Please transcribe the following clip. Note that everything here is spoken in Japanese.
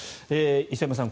磯山さん